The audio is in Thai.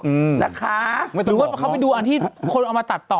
หือนะคะมันเป็นที่ดูว่าเขาไปดูอะไรคนออกมาตัดต่อ